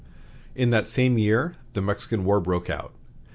In that same year the Mexican War broke out.